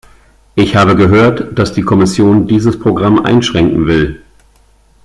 Ich habe gehört, dass die Kommission dieses Programm einschränken will.